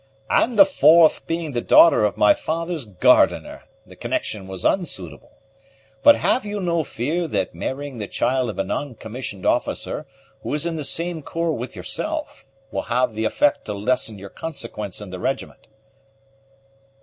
"And the fourth being the daughter of my father's gardener, the connection was unsuitable. But have you no fear that marrying the child of a non commissioned officer, who is in the same corps with yourself, will have the effect to lessen your consequence in the regiment?"